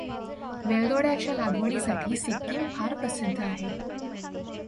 वेलदोड्याच्या लागवडीसाठी सिक्कीम फार प्रसिद्ध आहे.